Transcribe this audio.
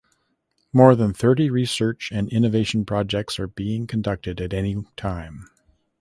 More than thirty research and innovation projects are being conducted at any time.